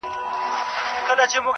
• لکه ماشوم پر ورکه لاره ځمه -